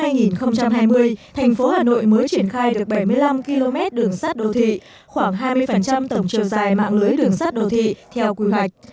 thành phố hà nội mới triển khai được bảy mươi năm km đường sắt đô thị khoảng hai mươi tổng chiều dài mạng lưới đường sắt đô thị theo quy hoạch